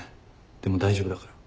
でも大丈夫だから。